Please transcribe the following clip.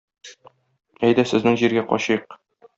Әйдә сезнең җиргә качыйк.